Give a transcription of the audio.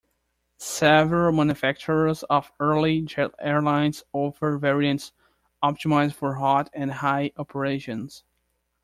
Several manufacturers of early jet airliners offered variants optimized for hot and high operations.